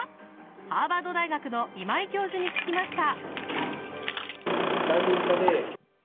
ハーバード大学の今井教授に聞きました。